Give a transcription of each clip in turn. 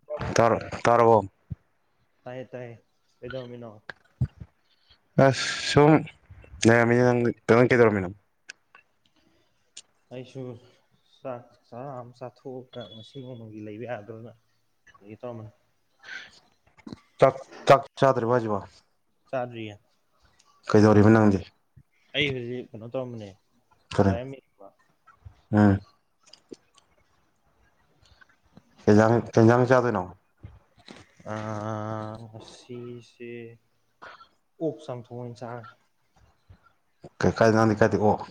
[unintelligible] ꯇꯥꯔꯥ ꯇꯥꯔꯕꯣ ꯇꯥꯏꯌꯦ ꯇꯥꯏꯌꯦ ꯀꯩꯗꯧꯔꯝꯃꯤꯅꯣ ꯑꯁ ꯁꯨꯝ ꯂꯩꯔꯝꯃꯤꯅꯦ ꯅꯪꯗꯤ [unintelligible] ꯀꯩꯗꯧꯔꯝꯃꯤꯅꯣ ꯑꯩꯁꯨ ꯆꯥꯛ ꯆꯥꯔꯥ ꯑꯃ ꯆꯥꯊꯣꯛꯑꯥꯒ ꯉꯁꯤ ꯅꯣꯡꯃꯒꯤ ꯂꯩꯕ ꯌꯥꯗꯧꯅ ꯂꯩꯒꯦ ꯇꯧꯔꯝꯕꯅꯦ ꯆꯥꯛ ꯆꯥꯛ ꯆꯥꯗ꯭ꯔꯤꯕꯣ ꯍꯥꯏꯖꯤꯕꯣ ꯆꯥꯗ꯭ꯔꯤꯌꯦ ꯀꯩꯗꯧꯔꯤꯕ ꯅꯪꯗꯤ ꯑꯩ ꯍꯧꯖꯤꯛ ꯀꯩꯅꯣ ꯇꯧꯔꯝꯕꯅꯦ ꯀꯔꯤ ꯂꯥꯏꯔꯤꯛ ꯑꯃ ꯌꯦꯡꯕ ꯑꯥ ꯀꯩꯖꯥꯡ ꯀꯩꯖꯥꯡ ꯆꯥꯗꯣꯏꯅꯣ ꯑꯥ ꯉꯁꯤꯁꯦ ꯑꯣꯛ ꯆꯝꯊꯣꯡ ꯑꯣꯏꯅ ꯆꯥꯔꯒꯦ ꯀꯩ ꯀꯥꯏꯗ ꯅꯪꯗꯤ ꯀꯥꯏꯗꯩꯩ ꯑꯣꯛ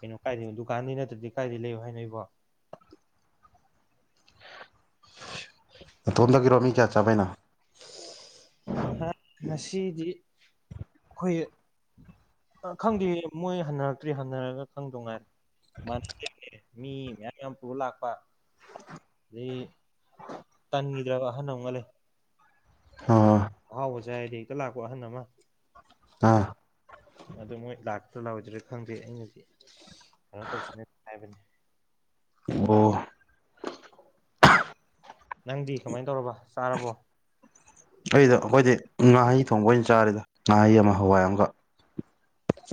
ꯀꯩꯅꯣ ꯀꯥꯏꯗꯅꯣ ꯗꯨꯀꯥꯟꯗꯩꯩ ꯅꯠꯇ꯭ꯔꯗꯤ ꯀꯥꯏꯗꯩꯩ ꯂꯩꯌꯣ ꯍꯥꯏꯅꯣ ꯑꯩꯕꯣ ꯅꯇꯣꯝꯗꯒꯤꯔꯣ ꯃꯤ ꯀꯌꯥ ꯆꯥꯕꯩꯅꯣ ꯍꯥ ꯉꯁꯤꯗꯤ ꯑꯩꯈꯣꯏ ꯑꯥ ꯈꯪꯗꯦ ꯃꯣꯏ ꯍꯟꯅꯔꯛꯇ꯭ꯔꯤ ꯍꯟꯅꯔꯒ ꯈꯪꯗꯣ ꯉꯥꯏꯔꯦ [unintelligible] ꯃꯤ ꯃꯌꯥꯝ ꯚꯌꯥꯝ ꯄꯨꯔ ꯂꯥꯛꯄ ꯑꯗꯩ ꯇꯟꯒꯤꯗ꯭ꯔꯕ ꯑꯍꯟ ꯑꯃꯒ ꯂꯩ ꯑꯥ ꯑꯍꯥꯎꯕ ꯆꯥꯏ ꯍꯥꯏꯔꯗꯤ ꯍꯦꯛꯇ ꯂꯥꯛꯄ ꯑꯍꯟ ꯑꯃ ꯑꯥ ꯑꯗꯣ ꯃꯣꯏ ꯂꯥꯛꯇꯧꯔ ꯂꯥꯛꯑꯣꯏꯗꯔ ꯈꯪꯗꯦ ꯑꯩꯅꯗꯤ ꯀꯩꯅꯣ ꯇꯧꯁꯤꯅ ꯍꯥꯏꯕꯅꯤ ꯑꯣ ꯅꯪꯗꯤ ꯀꯃꯥꯏꯅ ꯇꯧꯔꯕ ꯆꯥꯔꯕꯣ ꯑꯩꯗꯣ ꯑꯩꯈꯣꯏꯗꯤ ꯉꯥꯍꯩ ꯊꯣꯡꯕ ꯑꯣꯏꯅ ꯆꯥꯔꯦꯗ ꯉꯥꯍꯩ ꯑꯃ ꯍꯋꯥꯏ ꯑꯃꯒ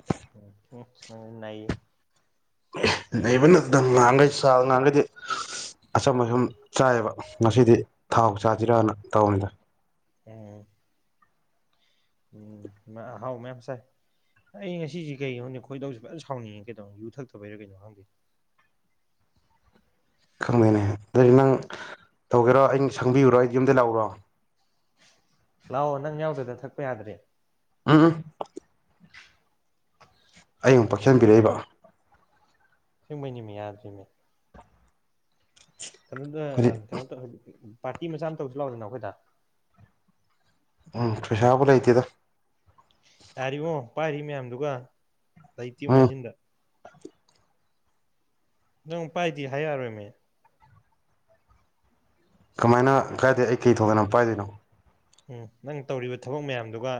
ꯑꯣ ꯅꯪꯗꯤ ꯅꯩꯌꯦ ꯅꯩꯕꯅꯦ ꯑꯗꯨꯝ ꯉꯍꯥꯟꯒꯩ ꯆꯥꯕ ꯉꯍꯥꯟꯒꯩꯗꯤ ꯑꯆꯝꯕ ꯁꯨꯝ ꯆꯥꯏꯌꯦꯕ ꯉꯁꯤꯗꯤ ꯊꯥꯎ ꯆꯥꯁꯤꯔꯥꯅ ꯇꯧꯕꯅꯤꯗ ꯑꯦꯝ ꯎꯝ ꯅꯪ ꯑꯍꯥꯎ ꯃꯌꯥꯝ ꯆꯥꯏ ꯑꯩ ꯉꯁꯤꯖꯦ ꯀꯩꯒꯤꯅꯣ ꯈꯪꯗꯦ ꯈꯣꯏꯗꯧꯁꯦ ꯐꯖ ꯁꯥꯎꯅꯤꯡꯉꯦ ꯀꯩꯗꯧꯔꯕꯅꯣ ꯌꯨ ꯊꯛꯇꯕꯩꯔꯥ ꯀꯩꯅꯣ ꯈꯪꯗꯦ ꯈꯪꯗꯦꯅꯦ ꯑꯗꯨꯏꯗꯤ ꯅꯪ ꯇꯧꯒꯦꯔꯣ ꯑꯩꯅ ꯁꯪꯕꯤꯌꯨꯔꯣ ꯑꯩ ꯌꯨꯝꯗꯩꯩ ꯂꯥꯛꯎꯔꯣ ꯂꯥꯛꯑꯣ ꯅꯪ ꯌꯥꯎꯗꯗꯅ ꯊꯛꯄ ꯌꯥꯗ꯭ꯔꯦ ꯎꯝ ꯎꯝ ꯑꯩ ꯑꯃꯨꯛ ꯄꯛꯁꯟꯕꯤꯔꯛꯏꯕ ꯑꯁꯦꯡꯕꯩꯅꯦꯃꯤ ꯌꯥꯗ꯭ꯔꯦꯃꯤ ꯀꯩꯅꯣꯗ ꯍꯧꯖꯤꯛ ꯀꯩꯅꯣ ꯇꯧ ꯄꯥꯔꯇꯤ ꯃꯆꯥ ꯑꯃ ꯇꯧꯁꯤ ꯂꯥꯥꯎꯗꯅ ꯑꯈꯣꯏꯗ ꯎꯝ ꯄꯩꯁꯥꯕꯨ ꯂꯩꯇꯦꯗ ꯌꯥꯔꯦꯕꯣ ꯄꯥꯏꯔꯤ ꯃꯌꯥꯝꯗꯨꯒ ꯂꯩꯇꯦ ꯃꯨꯛ ꯎꯝ ꯍꯥꯏꯖꯤꯟꯗ ꯅꯪ ꯄꯥꯏꯗꯦ ꯍꯥꯏ ꯌꯥꯔꯣꯏꯃꯦ ꯀꯃꯥꯏꯅ ꯀꯥꯏꯗꯩ ꯑꯩ ꯀꯩ ꯊꯣꯛꯇꯅ ꯄꯥꯏꯗꯨꯏꯅꯣ ꯎꯝ ꯅꯪ ꯇꯧꯔꯤꯕ ꯊꯕꯛ ꯃꯌꯥꯝꯗꯨꯒ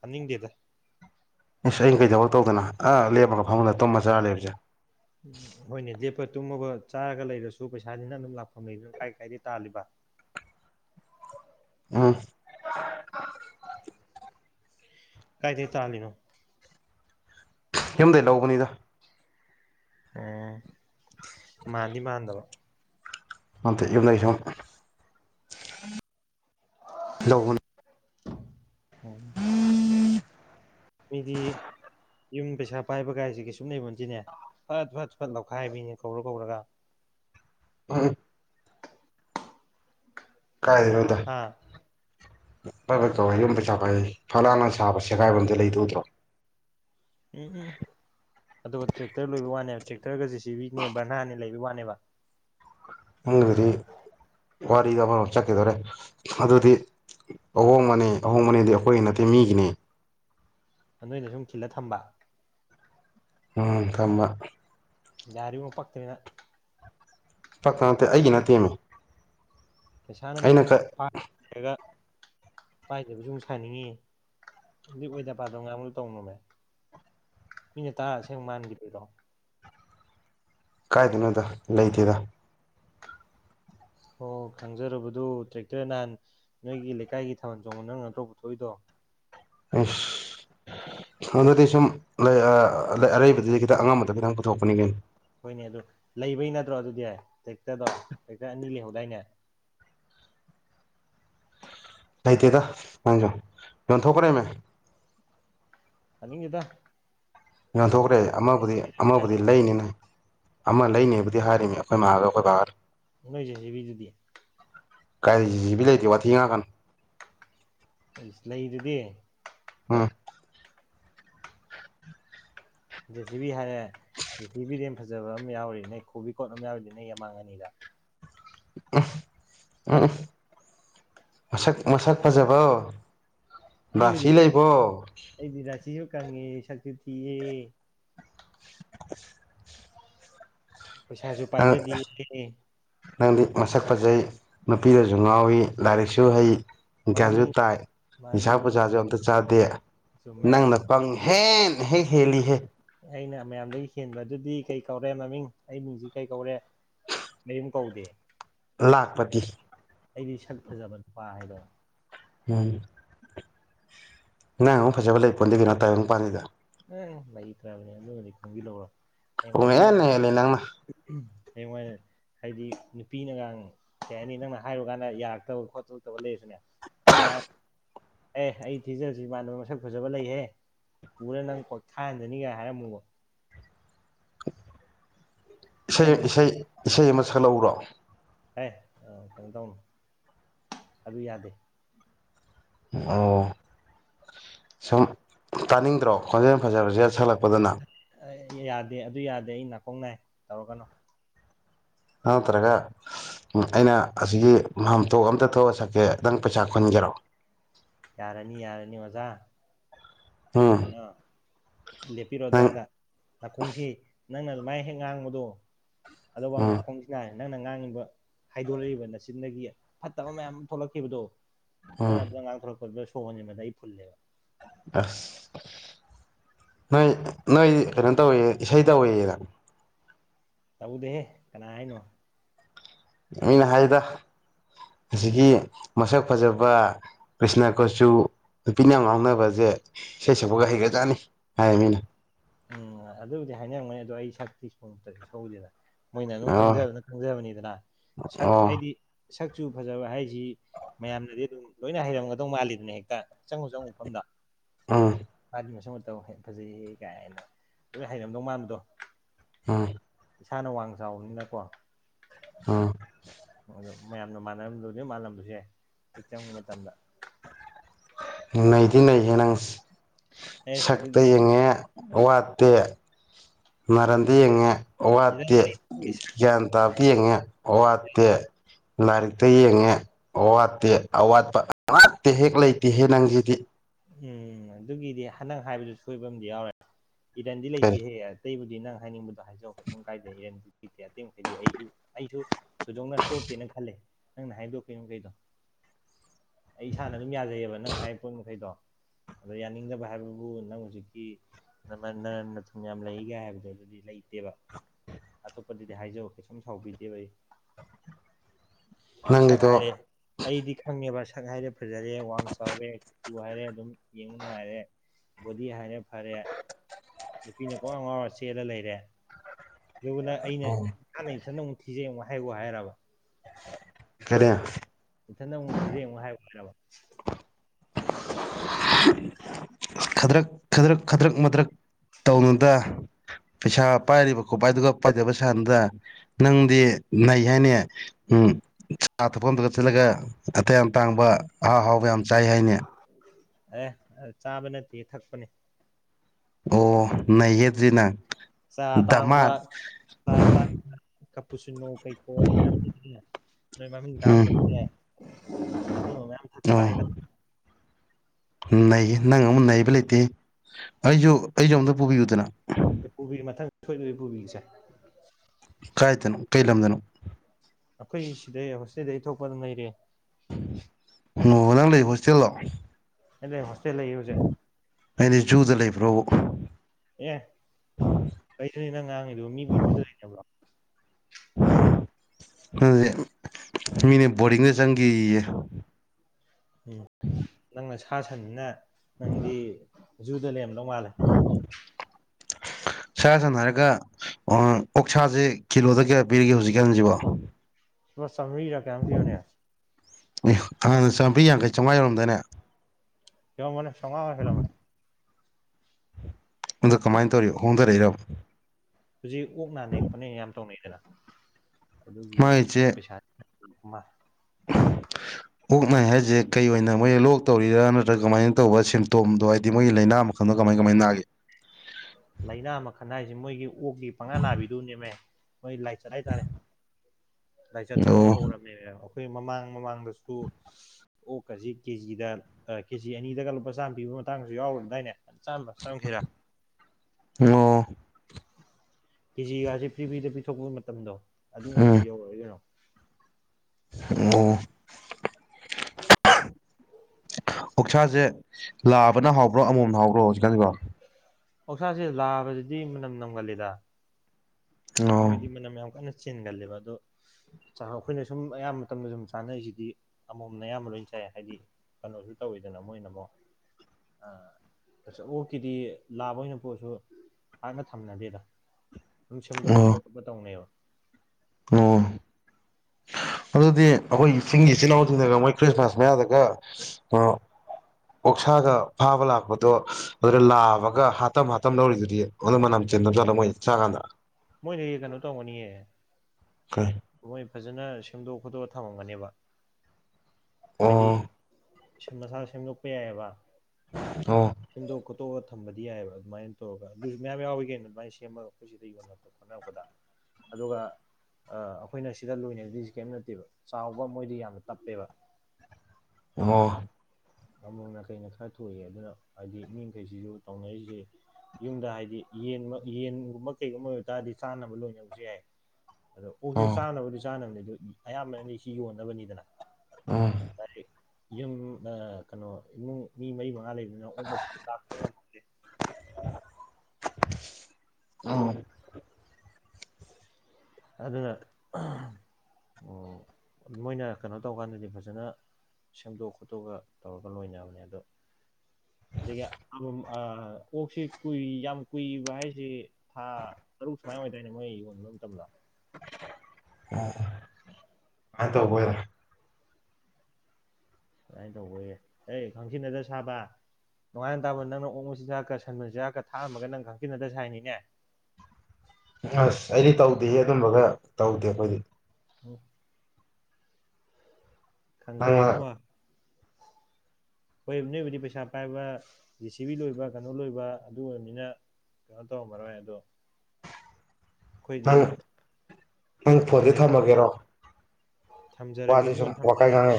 ꯇꯥꯅꯤꯡꯗꯦꯗ ꯏꯁ ꯑꯩꯅ ꯀꯩ ꯊꯕꯛ ꯇꯧꯗꯅ ꯑꯥ ꯂꯦꯞꯄꯒ ꯐꯝꯃꯗ ꯇꯨꯝꯃꯒ ꯆꯥꯔ ꯂꯩꯕꯖꯦ ꯎꯝ ꯍꯣꯏꯅꯦ ꯂꯦꯞꯄ ꯇꯨꯝꯃꯒ ꯆꯥꯔꯒ ꯂꯩꯔꯁꯨ ꯄꯩꯁꯥꯗꯤ ꯅꯪ ꯑꯗꯨꯝ ꯂꯥꯛꯐꯝ ꯂꯩꯗꯨꯅ ꯀꯥꯏ ꯀꯥꯏꯗꯩꯩ ꯇꯥꯜꯂꯤꯕ ꯎꯝ ꯀꯥꯏꯗꯩꯩ ꯇꯥꯜꯂꯤꯅꯣ ꯌꯨꯝꯗꯩ ꯂꯧꯕꯅꯤꯗ ꯑꯦ ꯃꯥꯟꯗꯤ ꯃꯥꯟꯗꯕ [unintelligible] [unintelligible] ꯃꯤꯗꯤ ꯌꯨꯝ ꯄꯩꯁꯥ ꯄꯥꯏꯕꯒꯥꯏꯁꯤ ꯀꯩꯁꯨꯝ ꯂꯩꯩꯕꯣꯟꯇꯦꯅꯦ ꯐꯠ ꯐꯠ ꯐꯠ ꯂꯧꯈꯥꯏꯕꯤꯅꯦ ꯀꯧꯔ ꯀꯧꯔꯒ [unintelligible] ꯀꯥꯏꯗꯩꯅꯣꯗ ꯍꯥ ꯐꯠ ꯐꯠ ꯇꯧꯏ ꯌꯨꯝ ꯄꯩꯁꯥ ꯄꯥꯏꯌꯦ ꯐꯛꯂꯥꯡꯅ ꯁꯥꯕ ꯁꯦꯒꯥꯏꯕ ꯑꯃꯗ ꯂꯩꯗꯣ ꯎꯗ꯭ꯔꯣ ꯎꯝ ꯎꯝ ꯑꯗꯨꯒ ꯇ꯭ꯔꯦꯛꯇꯔ ꯂꯣꯏꯕ ꯋꯥꯅꯦꯕ ꯇ꯭ꯔꯦꯛꯇꯔꯒ ꯖꯦꯁꯤꯕꯤꯅꯦ ꯕꯔꯅꯥꯅꯦ ꯂꯩꯕꯩ ꯋꯥꯅꯦꯕ ꯅꯪꯒꯤꯗꯨꯗꯤ ꯋꯥꯔꯤ ꯑꯃꯗ ꯆꯠꯈꯤꯗꯣꯔꯦ ꯑꯗꯨꯗꯤ ꯑꯍꯣꯡꯕꯅꯦ ꯑꯍꯣꯡꯕꯅꯦꯗꯤ ꯑꯈꯣꯏꯒꯤ ꯅꯠꯇꯦ ꯃꯤꯒꯤꯅꯦ ꯑꯥ ꯅꯣꯏꯗ ꯁꯨꯝ ꯈꯤꯜꯂ ꯊꯝꯕ ꯎꯝ ꯊꯝꯕ ꯌꯥꯔꯦꯉꯣ ꯄꯛꯇ꯭ꯔꯦ ꯅꯪ ꯄꯛꯄ ꯅꯠꯇꯦ ꯑꯩꯒꯤ ꯅꯠꯇꯦꯝꯃꯤ ꯄꯩꯁꯥꯅ ꯃꯌꯥꯝ ꯄꯥꯏ ꯔꯒ ꯄꯥꯏꯗꯕꯁꯨ ꯑꯃꯨꯛ ꯁꯥꯅꯤꯡꯉꯤꯌꯦ ꯑꯗꯨꯏ ꯑꯣꯏꯗ ꯄꯥꯗꯕ ꯉꯥꯡꯕꯗꯣ ꯇꯧꯅꯣꯃꯦ ꯃꯤꯅ ꯇꯥꯔꯒ ꯑꯁꯦꯡꯕ ꯃꯥꯟꯒꯤꯔꯣꯏꯗ꯭ꯔꯣ ꯀꯥꯏꯗꯩꯅꯣꯗ ꯂꯩꯇꯦꯗ ꯑꯣ ꯈꯪꯖꯔꯕꯗꯣ ꯇ꯭ꯔꯦꯛꯇꯔ ꯅꯍꯥꯟ ꯅꯣꯏꯒꯤ ꯂꯩꯀꯥꯏꯒꯤ ꯊꯥꯕꯜ ꯆꯣꯡꯕꯗ ꯅꯪ ꯅꯠꯇ꯭ꯔꯣ ꯄꯨꯊꯣꯛꯏꯗꯣ ꯑꯩꯁ ꯑꯗꯨꯗꯤ ꯁꯨꯝ ꯂꯩ ꯑꯥ ꯑꯔꯩꯕꯗꯤ ꯈꯤꯇꯪ ꯑꯉꯝꯕꯗ ꯈꯤꯇꯪ ꯄꯨꯊꯣꯛꯄꯅꯤ ꯀꯩꯅꯣ ꯍꯣꯏꯅꯦ ꯑꯗꯨ ꯂꯩꯕꯩ ꯅꯠꯇ꯭ꯔꯣ ꯑꯗꯨꯗꯤ ꯇ꯭ꯔꯦꯛꯇꯔꯗꯣ ꯇ꯭ꯔꯦꯛꯇꯔ ꯑꯅꯤ ꯂꯩꯍꯧꯗꯥꯏꯅꯦ ꯂꯩꯇꯦꯗ ꯅꯪꯖꯨ ꯌꯣꯟꯊꯣꯛꯈ꯭ꯔꯦꯃꯦ ꯇꯥꯅꯤꯡꯗꯦꯗ ꯌꯣꯟꯊꯣꯛꯈ꯭ꯔꯦ ꯑꯃꯕꯨꯗꯤ ꯑꯃꯕꯨꯗꯤ ꯂꯩꯅꯤꯅꯦ ꯑꯃ ꯂꯩꯅꯤꯕꯨꯗꯤ ꯍꯥꯏꯔꯤꯝꯃꯤ ꯑꯈꯣꯏ ꯃꯥꯒ ꯑꯈꯣꯏ ꯕꯥꯒꯅ ꯅꯣꯏ ꯖꯦꯁꯤꯕꯤ ꯗꯨꯗꯤ ꯀꯥꯏꯗꯩ ꯖꯦꯁꯤꯕꯤ ꯂꯩꯥꯇꯦ ꯋꯥꯊꯤ ꯉꯥꯡꯉꯛꯀꯅꯨ ꯏꯁ ꯂꯩꯗꯨꯗꯤ ꯎꯝ ꯖꯦꯁꯤꯕꯤ ꯍꯥꯏꯔꯦ ꯖꯦꯁꯤꯕꯤꯗꯩ ꯍꯦꯟꯅ ꯐꯖꯕ ꯑꯃ ꯌꯥꯎꯔꯤ ꯅꯪꯒꯤ ꯀꯣꯕꯤꯀꯣꯠ ꯑꯃ ꯌꯥꯎꯔꯤꯗꯨꯗꯤ ꯅꯪꯒꯤ ꯌꯃꯥꯡ ꯑꯅꯤꯗ ꯎꯝ ꯎꯝ ꯎꯝ ꯃꯁꯛ ꯃꯁꯛ ꯐꯖꯕꯧ ꯑꯩꯕꯨꯗꯤ ꯊꯤ ꯑꯩꯗꯤ ꯔꯥꯆꯤꯁꯨ ꯀꯪꯉꯦ ꯁꯛꯁꯨ ꯊꯤꯌꯦ [inaudible] ꯄꯩꯁꯥꯁꯨ ꯅꯪ ꯄꯥꯏꯖꯗꯤꯌꯦ [unintelligible] ꯅꯪꯗꯤ ꯃꯁꯛ ꯐꯖꯩ ꯅꯨꯄꯤꯅꯁꯨ ꯉꯥꯎꯋꯤ ꯂꯥꯏꯔꯤꯛꯁꯨ ꯍꯩ ꯒ꯭ꯌꯥꯟꯁꯨ ꯃꯥꯅꯤ ꯇꯥꯏ ꯅꯤꯁꯥ ꯃꯥꯅꯤ ꯄꯨꯁꯥꯁꯨ ꯑꯝꯇꯥ ꯆꯥꯗꯦ ꯆꯨꯝꯃꯦ ꯅꯪꯅ ꯄꯪꯍꯦꯟ ꯍꯦꯛ ꯍꯦꯜꯂꯤ ꯍꯦ ꯑꯩꯅ ꯃꯌꯥꯝꯗꯒꯤ ꯍꯦꯟꯕ ꯑꯗꯨꯗꯤ ꯀꯩ ꯀꯧꯔꯦ ꯃꯃꯤꯡ ꯑꯩ ꯃꯤꯡꯁꯦ ꯀꯩ ꯀꯧꯔꯦ ꯀꯩꯌ꯭ꯝ ꯀꯧꯗꯦ ꯂꯥꯛꯄꯇꯤ ꯑꯩꯗꯤ ꯁꯛ ꯐꯖꯕ ꯅꯨꯄꯥ ꯍꯥꯏꯗꯣ ꯎꯝ ꯅꯪꯃꯨꯛ ꯐꯖꯕ ꯂꯩꯕꯄꯣꯟꯇꯦ ꯀꯩꯅꯣ ꯇꯥꯏꯕꯪ ꯄꯥꯟꯁꯤꯗ ꯑꯦ ꯂꯩꯇ꯭ꯔꯕꯅꯦ ꯑꯗꯨꯃꯗꯤ ꯈꯪꯖꯤꯜꯍꯧꯔꯣ ꯍꯌꯦꯡꯋꯥꯏ ꯄꯨꯡꯍꯦꯟ ꯃꯤꯅꯀꯥ ꯍꯦꯜꯂꯤ ꯅꯪꯅ ꯍꯌꯦꯡꯋꯥꯏ ꯍꯥꯏꯗꯤ ꯅꯨꯄꯤꯅꯒꯥꯡ ꯀꯩ ꯍꯥꯏꯅꯤ ꯅꯪꯅ ꯍꯥꯏꯔꯨꯀꯥꯟꯗ ꯌꯥꯔꯛꯇꯕ ꯈꯣꯠꯇꯕ ꯂꯩꯔꯁꯨꯅꯦ [unintelligible] ꯑꯦ ꯑꯩ ꯊꯤꯖꯔꯁꯨ ꯏꯃꯥꯟꯕ ꯃꯁꯛ ꯐꯖꯕ ꯂꯩꯍꯦ ꯄꯨꯔ ꯅꯪ ꯀꫭꯏꯈꯥꯏꯍꯟꯖꯅꯤꯒ ꯍꯥꯏꯔꯝꯃꯨꯕ ꯅꯪ ꯏꯁꯩ ꯑꯃꯨꯛ ꯏꯁꯩ ꯏꯁꯩ ꯑꯃꯥ ꯁꯛꯂꯛꯎꯔꯣ ꯍꯩ ꯀꯩꯅꯣ ꯇꯧꯅꯨ ꯑꯗꯨ ꯌꯥꯗꯦ ꯑꯣ ꯁꯨꯝ ꯇꯥꯅꯤꯡꯗ꯭ꯔꯣ ꯈꯣꯟꯖꯦꯜ ꯐꯖꯕꯁꯤꯅ ꯁꯜꯂꯛꯄ ꯌꯥꯗꯦ ꯑꯗꯨ ꯌꯥꯗꯦ ꯑꯩ ꯅꯥꯀꯣꯡ ꯅꯥꯏ ꯇꯧꯔꯛꯀꯅꯣ ꯅꯠꯇ꯭ꯔꯒꯥ ꯎꯝ ꯑꯩꯅ ꯑꯁꯤꯒꯤ ꯃꯥꯟꯇꯣꯞ ꯑꯝꯇꯥ ꯊꯣꯛꯑ ꯁꯛꯀꯦ ꯅꯪ ꯄꯩꯁꯥ ꯈꯨꯟꯒꯦꯔꯣ ꯌꯥꯔꯅꯤ ꯌꯥꯔꯅꯤ ꯑꯣꯖꯥ ꯎꯝ ꯀꯩꯅꫭ ꯂꯦꯞꯄꯤꯔꯣ ꯅꯪ ꯑꯗꯨꯋꯥꯏꯗ ꯅꯥꯈꯣꯡꯁꯤ ꯅꯪꯅ ꯑꯗꯨꯃꯥꯏꯅ ꯍꯦꯛ ꯉꯥꯡꯕꯗꯣ ꯑꯗꯨꯕꯨꯛ ꯎꯝ ꯅꯥꯈꯣꯡ ꯉꯥꯏ ꯅꯪꯅ ꯉꯥꯡꯉꯤꯕ ꯍꯥꯏꯗꯣꯔꯛꯏꯕ ꯅꯆꯤꯟꯗꯒꯤ ꯐꯠꯇꯕ ꯃꯌꯥꯝ ꯑꯃꯥ ꯊꯣꯛꯂꯛꯈꯤꯕꯗꯣ ꯎꯝ ꯅꯪꯅ ꯉꯥꯡꯊꯣꯔꯛꯄꯗꯨꯗ ꯁꯣꯔ ꯍꯣꯟꯖꯤꯟꯕꯗ ꯑꯩ ꯐꯨꯜꯂꯦꯕ ꯑꯁ ꯅꯣꯏ ꯅꯣꯏꯗꯤ ꯀꯩꯅꯣ ꯇꯧꯋꯦ ꯏꯁꯩ ꯇꯧꯋꯦꯗ ꯇꯧꯗꯦꯍꯦ ꯀꯅꯥ ꯍꯥꯏꯅꯣ ꯑꯩꯅ ꯍꯥꯏꯗ ꯑꯁꯤꯒꯤ ꯃꯁꯛ ꯐꯖꯕ ꯀ꯭ꯔꯤꯁꯅ ꯀꯆꯁꯨ ꯅꯨꯄꯤꯅ ꯌꯥꯝ ꯉꯥꯎꯅꯕꯁꯦ ꯏꯁꯩ ꯁꯛꯄꯒ ꯍꯩꯒꯖꯥꯠꯅꯤ ꯍꯥꯏꯌꯦ ꯃꯤꯅ ꯎꯝ ꯑꯗꯨꯕꯨꯗꯤ ꯍꯥꯏꯅꯤꯡꯔꯝꯒꯅꯤ ꯑꯗꯣ ꯑꯩ ꯁꯛꯇ ꯅꫭꯡꯃꯇ ꯁꯛꯎꯗꯦꯗ ꯃꯣꯏꯅ ꯑꯗꯨꯝ ꯑꯣ ꯈꯪꯖꯕꯅ ꯈꯪꯖꯕꯅꯤꯗꯅ ꯁꯛ ꯑꯣ ꯍꯥꯏꯗꯤ ꯁꯛꯁꯨ ꯐꯖꯕ ꯍꯥꯏꯁꯤ ꯃꯌꯥꯝꯅꯗꯤ ꯑꯗꯨꯝ ꯂꯣꯏꯅ ꯍꯩꯔꯝꯒꯗꯧ ꯃꯥꯜꯂꯤꯗꯅꯦ ꯍꯦꯛꯇ ꯆꯪꯉꯨ ꯆꯪꯉꯨ ꯃꯐꯝꯗ ꯎꯝ ꯃꯥꯗꯤ ꯃꯁꯛ ꯃꯇꯧ ꯍ‌ꯦꯛ ꯐꯖꯩꯍ‌ꯦ ꯀꯥꯏꯅ ꯂꫭꯏ ꯍꯩꯔꯝꯗꯧ ꯃꯥꯟꯕꯗꯣ ꯎꯝ ꯏꯁꯥꯅ ꯋꯥꯡ ꯆꯥꯎꯕꯅꯤꯅꯀꯣ ꯎꯝ ꯑꯗꯣ ꯃꯌꯥꯝꯅ ꯃꯥꯟꯅꯔ ꯂꯣꯏꯗꯣꯏ ꯃꯥꯜꯂꯝꯕꯁꯨ ꯌꯥꯏ ꯍꯦꯛ ꯆꯪꯕ ꯃꯇꯝꯗ ꯅꯩꯗꯤ ꯅꯩꯍ‌ꯦ ꯅꯪ ꯑꯦꯁ ꯁꯛꯇ ꯑꯗꯨꯒꯤꯗꯤ ꯌꯦꯡꯉꯦ ꯋꯥꯠꯇꯦ ꯅꯔꯟꯗꯤ ꯌꯦꯡꯉꯦ ꯏꯔꯟ ꯋꯥꯠꯇꯦ ꯒ꯭ꯌꯥꯟ ꯇꯥꯕꯗ ꯌꯦꯡꯉꯦ ꯋꯥꯠꯇꯦ ꯂꯥꯏꯔꯤꯛꯇ ꯌꯦꯡꯉꯦ ꯑꯋꯥꯠꯇꯦ ꯑꯋꯥꯠꯄ ꯑꯃꯠꯇꯥ ꯍꯦꯛ ꯂꯩꯇꯦꯍꯦ ꯅꯪꯁꯤꯗꯤ ꯎꯝ ꯑꯗꯨꯒꯤꯗꯤ ꯍꯅꯛꯍꯥꯏꯕꯗꯨ ꯁꯣꯏꯕ ꯑꯃꯗꯤ ꯌꯥꯎꯔꯦ ꯏꯗꯟꯗꯤ ꯀꯔꯤ ꯂꯩꯇꯦꯍꯦ ꯌꯥꯔ ꯑꯇꯩꯕꯨꯗꯤ ꯅꯪ ꯍꯥꯏꯅꯤꯡꯕꯗꯣ ꯍꯥꯏꯖꯧ ꯀꯩꯁꯨꯝ ꯀꯥꯏꯗꯦ ꯏꯔꯟ [unintelligible] ꯑꯇꯩ ꯃꯈꯩꯗꯤ ꯑꯩꯁꯨ ꯑꯩꯁꯨ ꯊꯣꯏꯗꯣꯛꯅ ꯆꯣꯞꯇꯦꯅ ꯈꯜꯂꯦ ꯅꯪꯅ ꯍꯥꯏꯗꯣꯛ ꯃꯈꯩꯗꯣ ꯑꯩ ꯏꯁꯥꯅ ꯑꯗꯨꯝ ꯌꯥꯖꯩꯌꯦꯕ ꯅꯪꯅ ꯍꯥꯏꯔꯤ ꯄꯣꯠ ꯃꯈꯩꯗꯣ ꯑꯗꯣ ꯌꯥꯅꯤꯡꯗꯕ ꯍꯥꯏꯕꯕꯨ ꯅꯪ ꯍꯧꯖꯤꯛꯀꯤ [unintelligible] ꯅꯊꯨꯝ ꯌꯥꯝ ꯂꯩ ꯀꯥꯢ ꯍꯥꯏꯕꯗꯣ ꯑꯗꯨꯗꯤ ꯂꯩꯇꯦꯕ ꯑꯇꯣꯞꯄꯗꯗꯤ ꯍꯥꯏꯖꯧ ꯀꯩꯁꯨꯝ ꯁꯥꯎꯕꯤꯗꯦꯕ ꯑꯩ ꯁꯛ ꯅꯪꯒꯤꯗꯣ ꯍꯥꯏꯔꯦ ꯑꯩꯗꯤ ꯈꯪꯉꯦꯕ ꯁꯛ ꯍꯥꯏꯔꯦ ꯐꯖꯔꯦ ꯋꯥꯡ ꯆꯥꯎꯔꯦ ꯀꯨꯆꯨ ꯍꯥꯏꯔꯦ ꯑꯗꯨꯝ ꯌꯦꯡꯕ ꯅꯨꯡꯉꯥꯏꯔꯦ ꯕꯣꯗꯤ ꯍꯥꯏꯔꯦ ꯐꯔꯦ ꯅꯨꯄꯤꯅ ꯄꯪꯉꯥꯎ ꯉꯥꯎꯔ ꯆꯦꯜꯂ ꯂꯩꯔꯦ ꯑꯗꯨꯅ ꯑꯩꯅ ꯏꯁꯥꯅ ꯏꯟꯊꯟꯅ ꯑꯃꯨꯛ ꯊꯤꯖꯩ ꯑꯃꯨꯛ ꯍꯥꯏꯒꯣ ꯍꯥꯏꯔꯕ ꯀꯔꯦ ꯏꯊꯟꯅ ꯑꯃꯨꯛ ꯊꯤꯖꯩ ꯑꯃꯨꯛ ꯍꯥꯏꯒꯣ ꯍꯥꯢꯔꯕ [inaudible] ꯈꯗ꯭ꯔꯛ ꯈꯗ꯭ꯔꯛ ꯈꯗ꯭ꯔꯛ ꯃꯗ꯭ꯔꯛ ꯇꯧꯅꯨꯗ ꯄꯩꯁꯥ ꯄꯥꯏꯔꯤꯕ ꯈꯨꯄꯥꯏꯗꯨꯒ ꯄꯥꯏꯗꯕ ꯁꯥꯥꯅꯨꯗ ꯅꯪꯗꯤ ꯅꯩ ꯍꯥꯏꯅꯦ ꯎꯝ ꯆꯥ ꯊꯛꯐꯝꯗꯒ ꯆꯠꯂꯒ ꯑꯇꯩ ꯌꯥꯝ ꯇꯥꯡꯕ ꯑꯍꯥꯎ ꯍꯥꯎꯕ ꯌꯥꯝ ꯆꯥꯏ ꯍꯥꯏꯅꯦ ꯑꯦ ꯆꯥꯕ ꯅꯠꯇꯦ ꯊꯛꯄꯅꯦ ꯑꯣ ꯅꯩꯍꯦ ꯗꯨꯗꯤ ꯅꯪ ꯆꯥ ꯗꯃꯥ ꯀꯞꯄꯨꯆꯤꯅꯣ ꯀꯩꯀꯣ ꯃꯌꯥꯝ ꯂꯩ ꯍꯦ ꯅꯣꯏ ꯃꯃꯤꯡ ꯇꯥꯔꯝꯗꯕꯁꯨ ꯎꯝ ꯌꯥꯏ [unintelligible] ꯅꯩꯍꯦ ꯅꯪ ꯑꯃꯨꯛ ꯅꯩꯕ ꯂꯩꯇꯦꯍꯦ ꯑꯩꯖꯨ ꯑꯩꯖꯨ ꯑꯃꯇ ꯄꯨꯕꯤꯌꯨꯗꯅ ꯑꯦ ꯄꯨꯕꯤꯒꯦ ꯃꯊꯪ ꯁꯣꯏꯗꯕꯤ ꯄꯨꯕꯤꯒꯦꯁꯦ ꯀꯥꯏꯗꯅꯣ ꯀꯩ ꯂꯝꯗꯅꯣ ꯑꯈꯣꯏ ꯁꯤꯗꯩ ꯍꯣꯁꯇꯦꯜꯗꯩ ꯊꯣꯛꯄ ꯑꯗꯨꯝ ꯂꯩꯔꯦ [unintelligible] ꯅꯪ ꯂꯩ ꯍꯣꯁꯇꯦꯜꯂꯣ ꯑꯩ ꯂꯩ ꯍꯣꯁꯇꯦꯜ ꯂꯩ ꯍꯧꯖꯤꯛ ꯑꯩꯗꯤ ꯖꯨꯗ ꯂꯩꯕ꯭ꯔꯣ ꯑꯦ ꯀꯩꯅꯣꯅꯦ ꯅꯪ ꯉꯥꯡꯉꯤꯗꯨꯕꯣ ꯃꯤꯕꯨ ꯖꯨꯗ ꯂꯩꯅꯕ꯭ꯔꯣ ꯈꯪꯗꯦ ꯎꯝ ꯃꯤꯗꯤ ꯕꯣꯔꯗꯤꯡꯗ ꯆꯪꯒꯤꯌꯦ ꯎꯝ ꯅꯪꯅ ꯁꯥ ꯁꯟꯅꯤꯅ ꯅꯪꯗꯤ ꯖꯨꯗ ꯂꯩꯔꯝꯗꯧ ꯃꯥꯜꯂꯦ ꯁꯥ ꯁꯟ ꯍꯥꯏꯔꯒ ꯑꯪ ꯑꯣꯛꯁꯥꯖꯦ ꯀꯤꯂꯣꯗ ꯀꯌꯥ ꯄꯤꯔꯤꯒꯦ ꯍꯧꯖꯤꯛꯀꯥꯟꯁꯤꯕꯣ ꯄꯥ ꯆꯥꯝꯃ꯭ꯔꯤ ꯀꯌꯥꯅꯣꯝ ꯄꯤꯕꯅꯦ꯫ ꯑꯦ ꯍꯥꯟꯅ ꯆꯥꯝꯃ꯭ꯔꯤ ꯌꯥꯡꯈꯩ ꯆꯧꯉꯥ ꯌꯧꯔꯝꯗꯥꯢꯅꯦ꯫ [unintelligible] ꯑꯗꯣ ꯀꯃꯥꯏꯟ ꯇꯧꯔꯤ ꯍꯣꯡꯗꯔꯛꯏꯔꯕ꯫ ꯍꯨꯖꯤꯛ ꯑꯣꯛ ꯅꯥꯅꯩ ꯈꯣꯠꯅꯩ ꯌꯥꯝ ꯇꯧꯅꯩꯗꯅ ꯑꯗꯨꯒꯤ ꯃꯥꯒꯤꯁꯦ ꯄꯩꯁꯥ [unintelligible] ꯑꯣꯛ ꯅꯥꯢ ꯍꯥꯏꯖꯦ ꯀꯩ ꯑꯣꯏꯅ ꯃꯣꯏ ꯂꯣꯛ ꯇꯧꯔꯤꯔꯥ ꯅꯠꯇ꯭ꯔ ꯀꯃꯥꯏꯅ ꯇꯧꯕ ꯁꯤꯝꯇꯣꯝꯗꯣ ꯍꯥꯏꯗꯤ ꯃꯣꯏꯒꯤ ꯂꯩꯅꯥ ꯈꯟꯗꯣ ꯀꯃꯥꯏ ꯀꯃꯥꯏ ꯅꯥꯒꯦ꯫ ꯂꯩꯅꯥ ꯃꯈꯜ ꯍꯥꯏꯖꯦ ꯃꯣꯏꯒꯤ ꯑꯣꯛꯀꯤ ꯄꯪꯅꯥ ꯅꯥꯕꯤꯗꯨꯅꯦꯃꯦ꯫ ꯃꯣꯏ ꯂꯥꯏꯆꯠ ꯍꯥꯏꯇꯥꯔꯦ ꯂꯥꯏꯆꯠꯇꯨꯨ ꯃꯨꯛ ꯑꯣ ꯍꯧꯔꯝꯃꯦꯃꯤ ꯑꯣ ꯈꯣꯏ ꯃꯃꯥꯡ ꯃꯃꯥꯡꯗꯁꯨ꯫ ꯑꯣꯛ ꯀꯖꯦ ꯀꯦꯖꯤꯗ ꯀꯦꯖꯤ ꯑꯅꯤꯗꯒ ꯂꯨꯄꯥ ꯆꯥꯝꯃ ꯄꯤꯕꯒꯤ ꯃꯇꯥꯡꯁꯨ ꯌꯥꯎꯔ ꯑꯗꯥꯏꯅꯦ꯫ ꯆꯥꯝꯃꯥ ꯆꯥꯝꯃꯥ ꯊꯥꯡꯈꯤꯔꯥ꯫ ꯉꯣ ꯀꯦꯖꯤꯒꯁꯤ ꯐ꯭ꯔꯤꯕꯤꯗ ꯄꯤꯊꯣꯛꯄꯢ ꯃꯇꯝꯗꯣ ꯑꯗꯨꯢ ꯃꯇꯝꯗ ꯌꯧꯔꯔꯣꯏ ꯀꯩꯅꯣ꯫ ꯑꫭ ꯑꯣꯛꯁꯥꯁꯦ ꯂꯥꯕꯅ ꯍꯥꯎꯕ꯭ꯔꯣ ꯑꯃꯣꯝꯅ ꯍꯥꯎꯕ꯭ꯔꯣ ꯍꯧꯖꯤꯛꯀꯥꯟꯁꯤꯕꯣ꯫ ꯑꯣꯛꯁꯥꯁꯦ ꯂꯥꯕꯁꯤꯗꯤ ꯃꯅꯝ ꯅꯝꯒꯜꯂꯤꯗ꯫ ꯑꯣ ꯃꯣꯏꯗꯤ ꯃꯅꯝ ꯌꯥꯝ ꯀꯟꯅ ꯆꯦꯟꯒꯜꯂꯦꯕ ꯑꯗꯣ꯫ ꯆꯍ ꯑꯩꯈꯣꯏꯅ ꯁꯨꯝ ꯑꯌꯥꯝꯕ ꯃꯇꯝꯗ ꯁꯨꯝ ꯆꯥꯅꯔꯤꯁꯤꯗꯤ ꯑꯃꯣꯝꯅ ꯑꯌꯥꯝꯕ ꯂꯣꯏꯅ ꯆꯥꯏ ꯍꯥꯏꯗꯤ ꯀꯩꯅꯣꯁꯨ ꯇꯧꯋꯤꯗꯅ ꯃꯣꯏꯅ ꯑꯃꯨꯛ꯫ ꯑꯥ ꯑꯣꯀꯤꯗꯤ ꯂꯥꯛꯕ ꯑꯣꯏꯅ ꯄꯣꯠꯁꯨ ꯄꯥꯛꯅ ꯊꯝꯅꯗꯦꯗ꯫ ꯑꯗꯨꯝ ꯁꯦꯝꯗꯣꯛꯄ ꯈꯣꯠꯄ ꯇꯧꯅꯦꯕ꯫ ꯑꫭ ꯑꯗꯨꯗꯤ ꯑꯩꯈꯣꯏꯒꯤ ꯆꯤꯡꯒꯤ ꯏꯆꯤꯜ ꯏꯅꯥꯎꯁꯤꯡꯅꯒ ꯃꯣꯏ ꯈ꯭ꯔꯤꯁꯃꯥꯁ ꯃꯌꯥꯗꯒ ꯑꯣꯛꯁꯥꯒ ꯐꯥꯕ ꯂꯥꯛꯄꯗꯣ ꯑꯗꯨꯗ ꯂꯥꯕꯒ ꯍꯥꯇꯝ ꯍꯥꯇꯝ ꯂꯧꯔꯤꯗꯨꯗꯤ ꯑꯗꫭ ꯃꯅꯝ ꯆꯦꯟꯗ ꯖꯥꯠꯂ ꯃꯣꯏ ꯆꯥꯀꯥꯟꯗꯥ꯫ ꯃꯣꯏꯗꯤ ꯀꯩꯅꯣ ꯇꯧꯒꯅꯤꯌꯦ꯫ ꯀꯩ ꯃꯣꯏ ꯐꯖꯅ ꯁꯦꯝꯗꯣꯛ ꯈꯣꯠꯇꯣꯛꯑ ꯊꯝꯃꯝꯒꯅꯦꯕ ꯍꯥꯏꯗꯤ ꯑꯣ ꯃꯁꯥ ꯁꯦꯝꯗꯣꯛꯄ ꯌꯥꯏꯑ°ꯕ ꯑꯣ ꯁꯦꯝꯗꯣꯛ ꯈꯣꯠꯇꯣꯛꯒ ꯊꯝꯕꯗꯤ ꯌꯥꯏꯑꯕ ꯑꯗꯨꯃꯥꯏꯅ ꯇꯧꯔꯒ ꯑꯗꯨꯁꯨ ꯃꯌꯥꯝ ꯌꯥꯎꯏ ꯀꯩꯅ ꯑꯗꯨꯃꯥꯏꯅ ꯁꯦꯝꯃꯒ ꯑꯩꯈꯣꯏ ꯁꯤꯗ ꯌꯣꯟꯅꯕ [unintelligible] ꯑꯗꯨꯒ ꯑ ꯑꯈꯣꯏꯅ ꯁꯤꯗ ꯂꯣꯏꯅꯗ꯭ꯔꯤꯁꯤ ꯀꯔꯤꯝ ꯅꯠꯇꯦꯕ ꯆꯥꯎꯕ ꯃꯣꯏꯗꯤ ꯌꯥꯝꯅ ꯇꯞꯄꯦꯕ꯫ ꯑꯣ ꯑꯃꯣꯝ ꯅꯥ ꯀꯩꯅ ꯈꯔ ꯊꯨꯏ ꯑꯗꯨꯅ ꯍꯥꯏꯗꯤ ꯃꯤꯡꯈꯩꯁꯤꯁꯨ ꯇꯧꯅꯔꯤꯁꯦ ꯌꯨꯝꯗ ꯍꯥꯏꯗꯤ ꯌꯦꯟꯃꯛ ꯌꯦꯟꯒꯨꯝꯕ ꯀꯩꯒꯨꯝꯕ ꯑꯣꯏꯇꯥꯔꯗꯤ ꯆꯥꯅꯕ ꯂꯣꯏꯅꯕꯁꯨ ꯌꯥꯏ꯫ ꯑꯗꯣ ꯑꯣꯛꯁꯤ ꯑꯣ ꯆꯥꯅꯕꯗꯤ ꯆꯥꯅꯕꯅꯦ ꯑꯗꯨ ꯑꯌꯥꯝꯕꯟꯗꯤ ꯁꯤ ꯌꯣꯟꯅꯕꯅꯤꯗꯅ꯫ ꯑꯥ [unintelligible] ꯌꯨꯝ ꯑ ꯀꯩꯅꯣ ꯏꯃꯨꯡ ꯃꯤ ꯃꯔꯤ ꯃꯉꯥ ꯂꯩ [unintelligible] [unintelligible] ꯑꯗꯨꯅ ꯃꯣꯏꯅ ꯀꯩꯅꯣ ꯇꯧꯀꯥꯟꯗꯗꯤ ꯐꯖꯅ ꯁꯦꯝꯗꯣꯛ ꯈꯣꯠꯇꯣꯛꯑꯒ ꯇꯧꯔꯒ ꯂꯣꯏꯅꯕꯅꯦ ꯑꯗꯣ꯫ ꯑꯗꯒꯤ ꯑꯃꯝ ꯑ ꯑꯣꯛꯁꯤ ꯀꯨꯏ ꯌꯥꯝ ꯀꯨꯏꯕ ꯍꯥꯏꯁꯤ ꯊꯥ ꯇꯔꯨꯛ ꯁꯨꯃꯥꯏꯟ ꯑꯣꯏꯗꯣꯢꯅꯦ ꯃꯣꯏ ꯌꯣꯟꯕ ꯃꯇꯝꯗꫭ [inaudible] ꯃꯥꯏꯅ ꯇꯧꯕ ꯑꯣꯏꯔꯦ꯫ ꯑꯗꯨꯃꯥꯏꯅ ꯇꯧꯕ ꯑꫭꯏꯔ° ꯍ° ꯈꯪꯁꯤꯟꯅꯗ ꯁꯥꯕ ꯅꯨꯡꯉꯥꯏ ꯅꯨꯃꯤꯠ ꯇꯥꯕꯧ ꯅꯪꯅ ꯑꯣꯛ ꯃꯆꯤꯟꯋꯥꯛꯀꯥ ꯁꯟ ꯃꯆꯤꯟꯋꯥꯛꯀꯥ ꯊꯥꯛꯑꯝꯃꯒꯥ ꯅꫭꯅꯥ ꯈꫭꯁꯤꯟꯅꯗꯥ ꯁꯥꯔꯤꯅꯤꯅ° ꯑꯁ ꯑꯩꯗꯤ ꯇꯧꯗꯦ ꯑꯗꯨꯝꯕꯒ ꯇꯧꯗꯦ ꯑꯩꯈꯣꯏꯗꯤ [inaudible] ꯈꯪꯖꯔꯩ ꯅꯪꯅ ꯏꯕꯨꯡꯉꫭ ꯍꯣꯏ ꯅꯣꯏꯕꯨꯗꯤ ꯄꯩꯁꯥ ꯄꯥꯏꯕ ꯗꯤ ꯁꯤ ꯕꯤ ꯂꯣꯏꯕ ꯀꯩꯅꯣ ꯂꯣꯏꯕ ꯑꯗꯨ ꯑꯣꯏꯔꯕꯅꯤꯅ ꯀꯩꯅꯣ ꯇꯧꯔꯃꯣꯏ ꯑꯗꯣ ꯑꯩꯈꯣꯏꯗꯤ ꯅꯪ ꯅꯪ ꯐꯣꯟꯗꯤ ꯂꯩꯖꯗꯕ ꯊꯝꯃꯒꯦꯔꯣ ꯊꯝꯖꯔꯒꯦ ꯋꯥꯖꯦ ꯁꯨꯝ ꯏꯕꯨꯡꯉꯣ ꯊꯝꯖꯔꯒꯦ ꯋꯥꯀꯥꯏ ꯉꯥꯡꯉꯦ